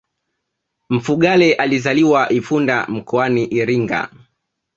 mfugale alizaliwa ifunda mkoani iringa